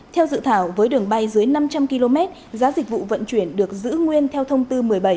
theo dự thảo với đường bay dưới năm trăm linh km giá dịch vụ vận chuyển được giữ nguyên theo thông tư một mươi bảy